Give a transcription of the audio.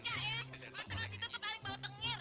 maksudnya situ paling bau tengir